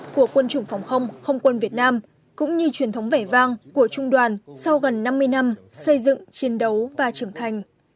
của quân chủng phòng không không quân việt nam cũng như truyền thống vẻ vang của trung đoàn sau gần năm mươi năm xây dựng chiến đấu và trưởng thành